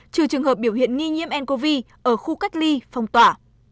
trừ trường hợp biểu hiện nghi nhiễm ncov ở khu cách ly phong tỏa